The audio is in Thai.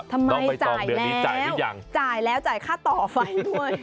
ทำไมจ่ายแล้วจ่ายแล้วจ่ายค่าต่อไฟด้วย